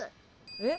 えっ。